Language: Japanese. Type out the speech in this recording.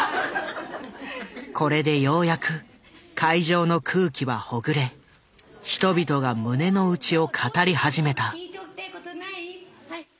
これでようやく会場の空気はほぐれ人々が胸の内を語り始めた。